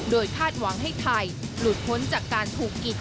โดยคาดหวังให้ไทยหลุดพ้นจากการถูกกิจ